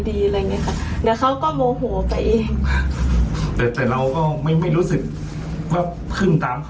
พิมพ์น้องบอกว่านิ่มอ่ะเชื่อนิ่มมีเสียงน้องน้องขิงป่ะ